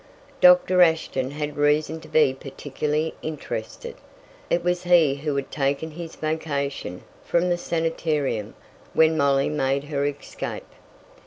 Doctor Ashton had reason to be particularly interested. It was he who had taken his vacation from the sanitarium when Molly made her escape.